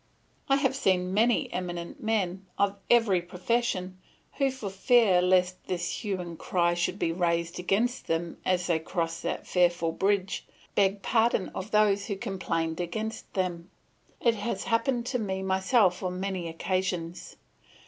I have seen many eminent men, of every profession, who for fear lest this hue and cry should be raised against them as they cross that fearful bridge, beg pardon of those who complained against them; it has happened to me myself on many occasions.